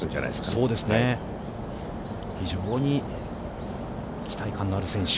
非常に期待感のある選手。